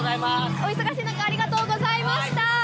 お忙しい中、ありがとうございました。